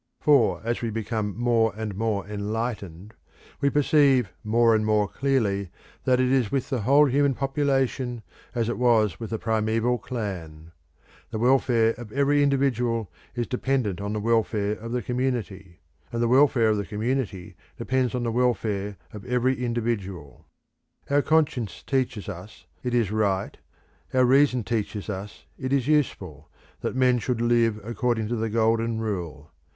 For, as we become more and more enlightened, we perceive more and more clearly that it is with the whole human population as it was with the primeval clan; the welfare of every individual is dependent on the welfare of the community, and the welfare of the community depends on the welfare of every individual. Our conscience teaches us it is right, our reason teaches us it is useful, that men should live according to the Golden Rule.